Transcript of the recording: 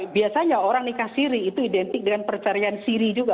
biasanya orang nikah siri itu identik dengan percarian siri juga